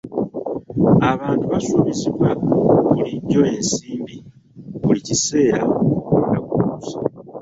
Abantu basuubizibwa bulijjo ensimbi buli kiseera ng'okulonda kutuuse.